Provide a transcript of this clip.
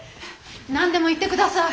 何でも言って下さい。